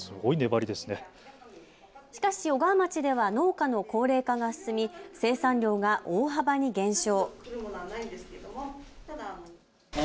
しかし小川町では農家の高齢化が進み生産量が大幅に減少。